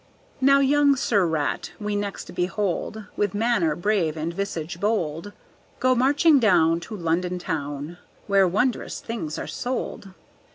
Now young Sir Rat we next behold, With manner brave and visage bold, Go marching down To London town, Where wondrous things are sold.